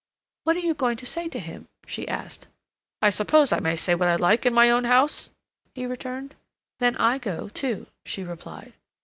"What are you going to say to him?" she asked. "I suppose I may say what I like in my own house?" he returned. "Then I go, too," she replied.